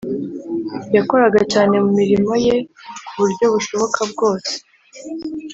yakoraga cyane mu mirimo ye ku buryo bushoboka bwose